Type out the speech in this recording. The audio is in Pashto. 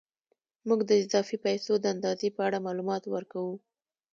موږ د اضافي پیسو د اندازې په اړه معلومات ورکوو